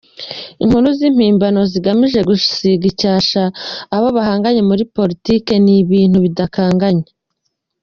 Inkuru z’impimbano zigamije gusiga icyashya abo bahanganye muri politiki, ni ibintu bidakanganye.